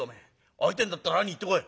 会いてえんだったら会いに行ってこい」。